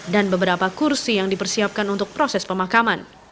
beberapa kursi yang dipersiapkan untuk proses pemakaman